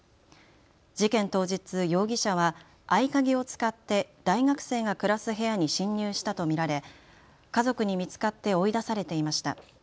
事件当日、容疑者は合鍵を使って大学生が暮らす部屋に侵入したと見られ家族に見つかって追い出されていました。